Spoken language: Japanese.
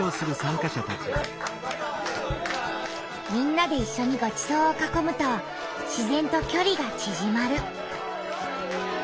みんなでいっしょにごちそうをかこむと自ぜんときょりがちぢまる。